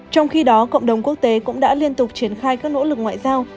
trong khi đó cộng đồng quốc tế cũng đã liên tục triển khai các nỗ lực ngoại giao